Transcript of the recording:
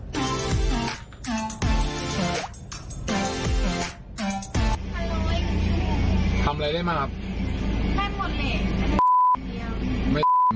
ทำอะไรได้มาครับแค่หมดเหรียญแค่อย่างเดียว